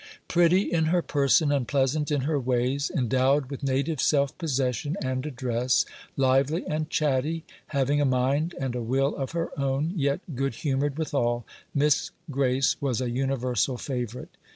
Pretty in her person and pleasant in her ways, endowed with native self possession and address, lively and chatty, having a mind and a will of her own, yet good humored withal, Miss Grace was a universal favorite.